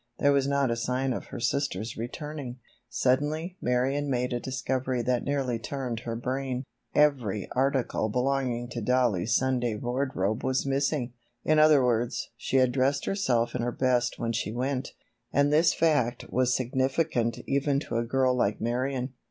There was not a sign of her sister's returning. Suddenly Marion made a discovery that nearly turned her brain. Every article belonging to Dollie's Sunday wardrobe was missing. In other words, she had dressed herself in her best when she went, and this fact was significant even to a girl like Marion.